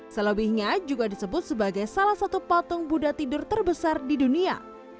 selebihnya juga disebut sebagai salah satu patung buddha tidur terbesar di dunia